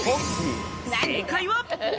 正解は。